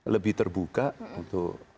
lebih terbuka untuk